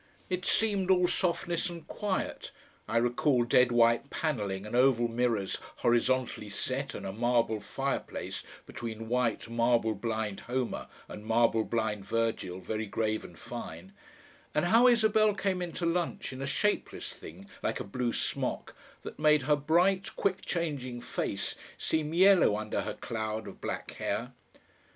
It seemed all softness and quiet I recall dead white panelling and oval mirrors horizontally set and a marble fireplace between white marble blind Homer and marble blind Virgil, very grave and fine and how Isabel came in to lunch in a shapeless thing like a blue smock that made her bright quick changing face seem yellow under her cloud of black hair.